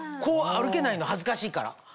こう歩けないの恥ずかしいから。